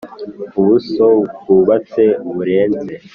Ubuso bwubatse burenze